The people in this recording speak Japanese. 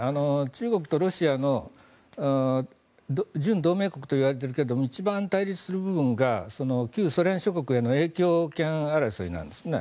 中国とロシアの準同盟国といわれているけれども一番対立する部分が旧ソ連諸国への影響権争いなんですね。